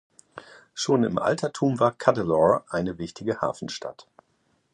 Schon im Altertum war Cuddalore eine wichtige Hafenstadt.